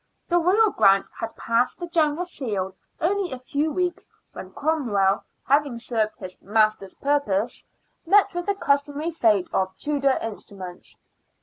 The Royal grant had passed the Great Seal only a few weeks when Cromwell, having served his master's purposes, met with the customary fate of Tudor instruments.